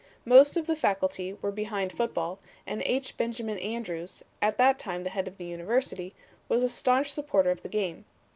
"Most of the Faculty were behind football, and H. Benjamin Andrews, at that time head of the University, was a staunch supporter of the game.